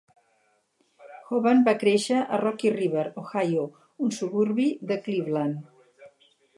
Hovan va créixer a Rocky River, Ohio, un suburbi de Cleveland.